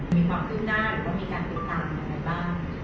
มีความยื้อหน้าหรือว่ามีการตัดหน่ายอะไรบ้าง